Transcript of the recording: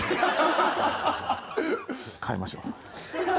変えましょう。